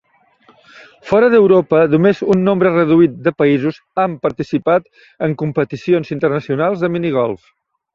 Fora d'Europa només un nombre reduït de països han participat en competicions internacionals de minigolf.